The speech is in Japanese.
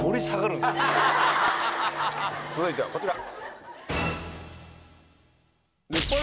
続いてはこちら。